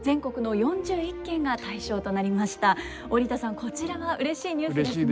こちらはうれしいニュースですね。